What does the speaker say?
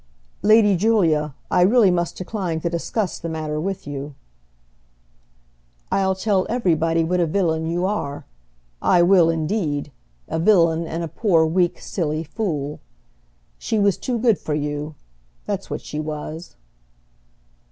"Lady Julia, I really must decline to discuss the matter with you." "I'll tell everybody what a villain you are; I will, indeed; a villain and a poor weak silly fool. She was too good for you; that's what she was."